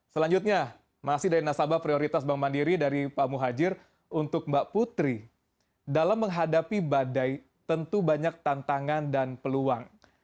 selanjutnya masih dari nasabah prioritas bank mandiri dari pak muhajir untuk mbak putri dalam menghadapi badai tentu banyak tantangan dan peluang